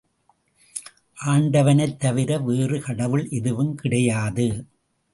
ஆண்டவனைத் தவிர வேறு கடவுள் எதுவும் கிடையாது.